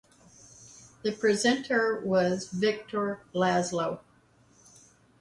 The presenter was Viktor Lazlo.